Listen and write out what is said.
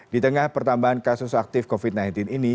di tengah pertambahan kasus aktif covid sembilan belas ini